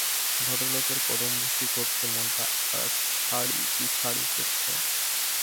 ভদ্রলোকের কদমবুছি করতে মনটা আছাড়িপিছাড়ি করছে।